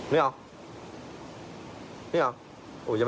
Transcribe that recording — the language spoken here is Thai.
นี่เหรอ